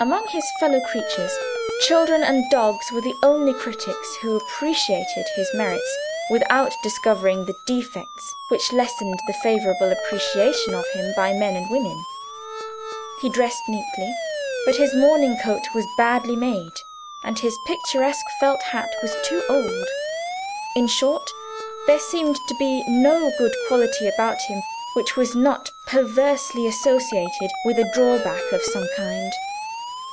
Among his fellow creatures, children and dogs were the only critics who appreciated his merits without discovering the defects which lessened the favorable appreciation of him by men and women. He dressed neatly, but his morning coat was badly made, and his picturesque felt hat was too old. In short, there seemed to be no good quality about him which was not perversely associated with a drawback of some kind.